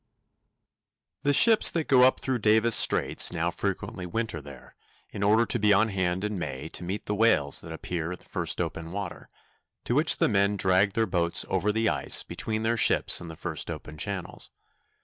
The ships that go up through Davis Straits now frequently winter there, in order to be on hand in May to meet the whales that appear in the first open water, to which the men drag their boats over the ice between their ships and the first open channels.